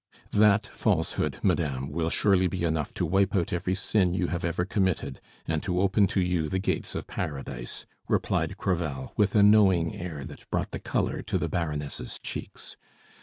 "That falsehood, madame, will surely be enough to wipe out every sin you have ever committed, and to open to you the gates of Paradise," replied Crevel, with a knowing air that brought the color to the Baroness' cheeks.